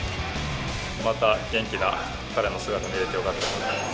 また元気な彼の姿を見れてよかったと思います。